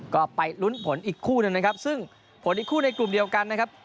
ก็ไปลุ้นผลอีกคู่หนึ่งนะครับซึ่งผลอีกคู่ในกลุ่มเดียวกันนะครับ